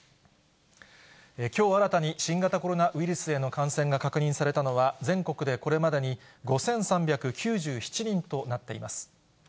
きょう、新たに新型コロナウイルスへの感染が確認されたのは、全国でこれまでに５３９７人となっています。